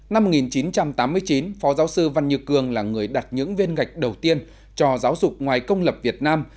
năm một nghìn chín trăm tám mươi chín phó giáo sư văn như cường là người đặt những viên gạch đầu tiên cho giáo dục ngoài công lập việt nam